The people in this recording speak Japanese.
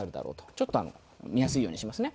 ちょっと見やすいようにしますね。